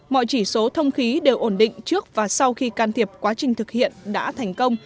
mọi chỉ số thông khí đều ổn định trước và sau khi can thiệp quá trình thực hiện đã thành công